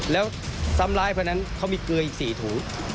แล้วซ้ำร้ายเพราะฉะนั้นเขามีเกลืออีก๔ถู